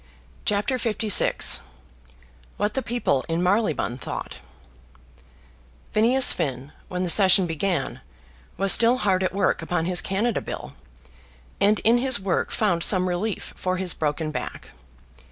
CHAPTER LVI What the People in Marylebone Thought Phineas Finn, when the session began, was still hard at work upon his Canada bill, and in his work found some relief for his broken back.